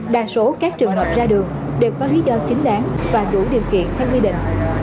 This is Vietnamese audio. đa số các trường hợp ra đường đều có lý do chính đáng và đủ điều kiện theo quy định